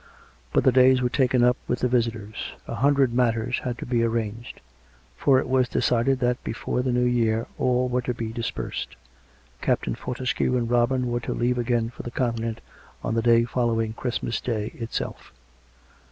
But the days were COME RACK! COME ROPE! 173 taken up with the visitors; a hundred matters had to be arranged; for it was decided that before the New Year all were to be dispersed. Captain Fortescue and Robin were to leave again for the Continent on the day following Christmas Day itself.